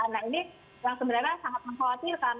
nah ini yang sebenarnya sangat mengkhawatirkan